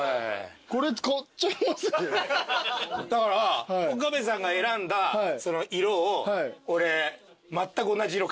だから岡部さんが選んだ色を俺まったく同じ色買います。